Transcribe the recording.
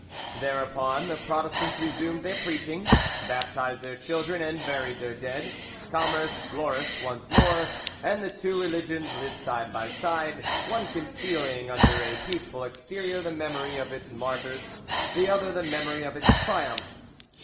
Thereupon the Protestants resumed their preaching, baptized their children and buried their dead, commerce flourished once more, and the two religions lived side by side, one concealing under a peaceful exterior the memory of its martyrs, the other the memory of its triumphs.